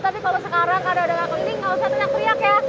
tapi kalau sekarang karena udah gak keliling nggak usah teriak teriak ya